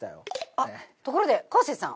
あっところで昂生さん。